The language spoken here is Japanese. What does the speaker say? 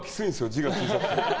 字が小さくて。